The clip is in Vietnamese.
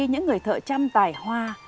những người thợ trăm tài hoa